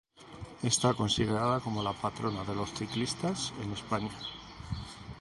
Está considerada como la patrona de los ciclistas en España.